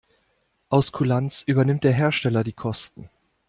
Aus Kulanz übernimmt der Hersteller die Kosten.